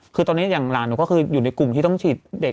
คือตอนนี้อย่างหลานหนูก็คืออยู่ในกลุ่มที่ต้องฉีดเด็ก